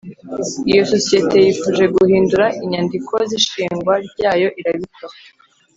Iyo isosiyete yifuje guhindura inyandiko z’ishingwa ryayo irabikora